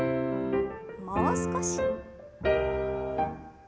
もう少し。